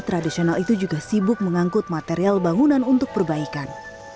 tradisional itu juga sibuk mengangkut material bangunan untuk perbaikan